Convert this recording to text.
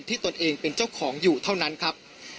ตนเองเป็นเจ้าของอยู่เท่านั้นครับ